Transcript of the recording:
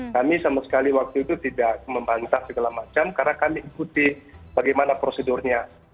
kami sama sekali waktu itu tidak membantah segala macam karena kami ikuti bagaimana prosedurnya